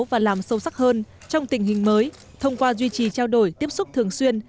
và làm sâu sắc hơn trong tình hình mới thông qua duy trì trao đổi tiếp xúc thường xuyên